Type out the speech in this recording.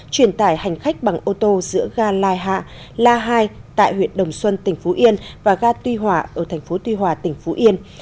truyền tải hành khách bằng ô tô giữa ga lai hạ la hai tại huyện đồng xuân tỉnh phú yên và ga tuy hòa ở tp tuy hòa tỉnh phú yên